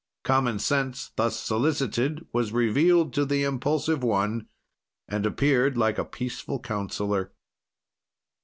"Common sense, thus solicited, was revealed to the impulsive one, and appeared like a peaceful counselor.